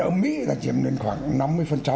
ở mỹ là chiếm lên khoảng năm mươi